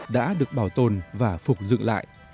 đã được bảo tồn và phục dựng lại